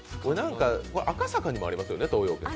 赤坂にもありますよね、東洋軒。